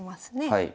はい。